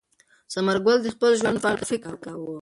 ثمر ګل د خپل ژوند په اړه فکر کاوه.